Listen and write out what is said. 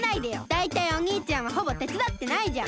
だいたいおにいちゃんはほぼてつだってないじゃん！